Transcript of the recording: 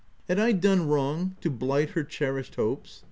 Had I done wrong to blight her cherished hopes